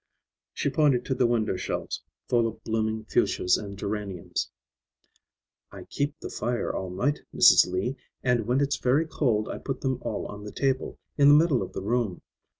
She pointed to the window shelves, full of blooming fuchsias and geraniums. "I keep the fire all night, Mrs. Lee, and when it's very cold I put them all on the table, in the middle of the room.